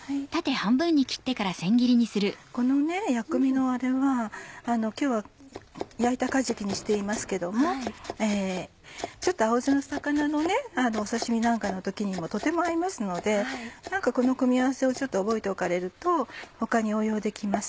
この薬味のあれは今日は焼いたかじきにしていますけど青背魚の刺し身なんかの時にもとても合いますのでこの組み合わせをちょっと覚えておかれると他に応用できます。